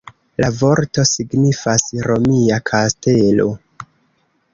La vorto signifas "romia kastelo".